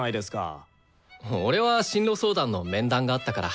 俺は進路相談の面談があったから。